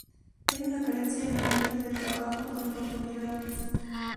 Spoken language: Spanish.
Hay una carencia evidente de trabajo, de oportunidades.